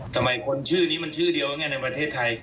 ทำไมคนชื่อนี้มันชื่อเดียวไงในประเทศไทย